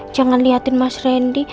jangan liatin mas rendy